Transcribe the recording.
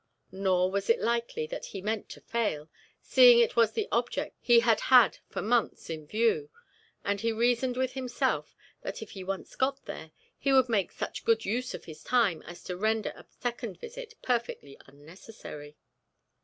Nor was it likely that he meant to fail seeing it was the object he had had for months in view, and he reasoned with himself that if he once got there, he would make such good use of his time as to render a second visit perfectly unnecessary.